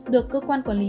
được cơ quan quản lý